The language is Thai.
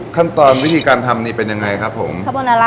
กลับครีม